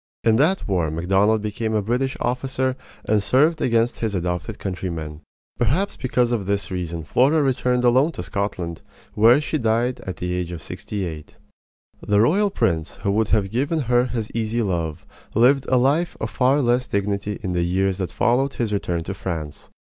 In that war Macdonald became a British officer and served against his adopted countrymen. Perhaps because of this reason Flora returned alone to Scotland, where she died at the age of sixty eight. The royal prince who would have given her his easy love lived a life of far less dignity in the years that followed his return to France.